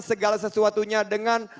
segala sesuatunya dengan